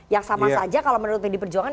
yang sama saja kalau menurut pdi perjuangan